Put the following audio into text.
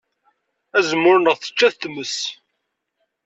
Azemmur-nneɣ tečča-t tmes.